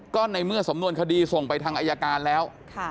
ก็ในเมื่อสำนวนคดีส่งไปทางอายการแล้ว